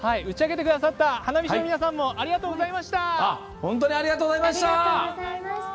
打ち上げてくださった花火師の皆さんもありがとうございました！